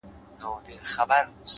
نیک کردار تر نوم مخکې ځلېږي؛